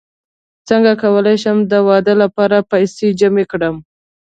څنګه کولی شم د واده لپاره پیسې جمع کړم